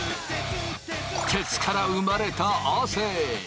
鉄から生まれた亜生。